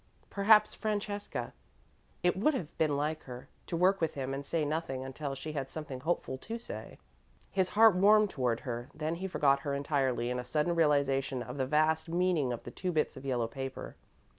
Perhaps Francesca it would have been like her, to work with him and say nothing until she had something hopeful to say. His heart warmed toward her, then he forgot her entirely in a sudden realisation of the vast meaning of the two bits of yellow paper.